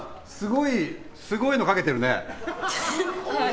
すごいのかけてるね。